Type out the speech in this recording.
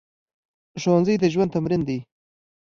ښوونځی د ژوند تمرین دی